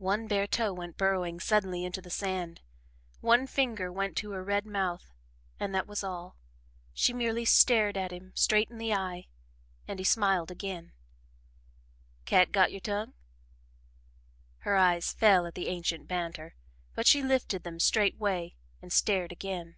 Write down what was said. One bare toe went burrowing suddenly into the sand, one finger went to her red mouth and that was all. She merely stared him straight in the eye and he smiled again. "Cat got your tongue?" Her eyes fell at the ancient banter, but she lifted them straightway and stared again.